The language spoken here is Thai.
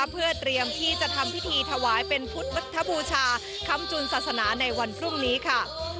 เพื่อเตรียมที่จะทำพิธีถวายเป็นพุทธบูชาคำจุนศาสนาในวันพรุ่งนี้ค่ะ